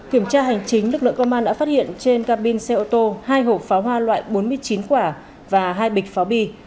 kiểm tra hành chính lực lượng công an đã phát hiện trên cabin xe ô tô hai hộp pháo hoa loại bốn mươi chín quả và hai bịch pháo bi